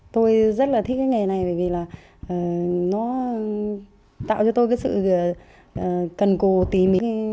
tôi rất là thích cái nghề này vì nó tạo cho tôi sự cần cố tí mỉ